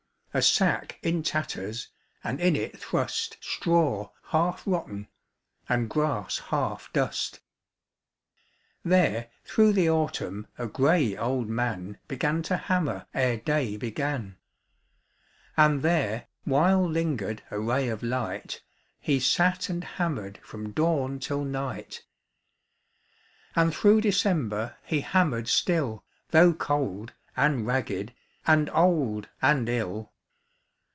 A sack in tatters, And in it thrust Straw half rotten. And grass half dust. 28 STONE BROKE There, through the autumn, A grey old man Began to hammer Ere day began ; And there, while hngered A ray of hght, He sat and hammered From dawn till night. And through December He hammered still, Though cold, and ragged. And old, and ill.